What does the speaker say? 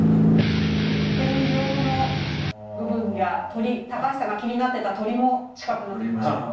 天井の部分や鳥高橋さんが気になってた鳥も近くなってきましたよ。